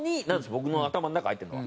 僕の頭の中に入ってるのは。